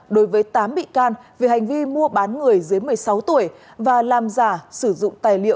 đối với tám bị can về hành vi mua bán người dưới một mươi sáu tuổi và làm giả sử dụng tài liệu